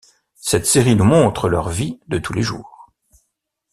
Cette série nous montre leur vie de tous les jours.